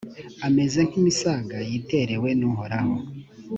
ameze nk’imisaga yiterewe n’uhoraho.